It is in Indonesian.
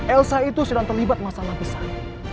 elsa itu sedang terlibat masalah besar